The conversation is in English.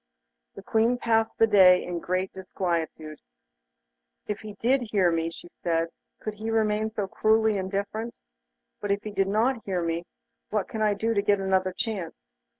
The Queen passed the day in great disquietude. 'If he did hear me,' she said, 'could he remain so cruelly indifferent? But if he did not hear me, what can I do to get another chance?